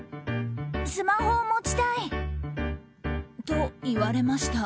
スマホを持ちたい！と、言われました。